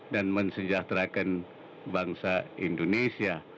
dan mensejahterakan bangsa indonesia